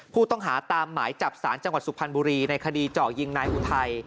ผู้ต้องหาตามหมายจับสารจังหวัดสุพรรณบุรีในคดีเจาะยิงนายอุทัย